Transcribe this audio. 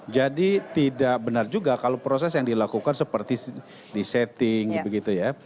jadi tidak benar juga kalau proses yang dilakukan seperti di setting gitu ya